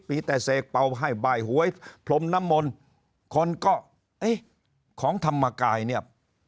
มีแต่เสกเป่าให้ใบหวยพรมน้ำมนต์คนก็เอ๊ะของธรรมกายเนี่ย